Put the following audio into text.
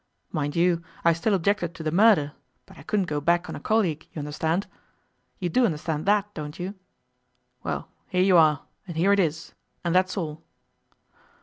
Mind you, I still objected to the murder, but I couldn't go back on a colleague, you understand. You do understand that, don't you? Well, here you are, and here it is, and that's all.